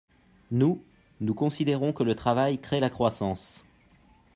Nous, nous considérons que le travail crée la croissance.